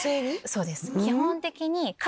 そうです。